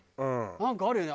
なんかあるよね。